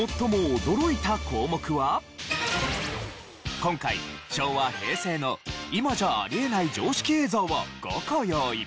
今回昭和・平成の今じゃあり得ない常識映像を５個用意。